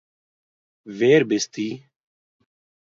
ווער ביסטו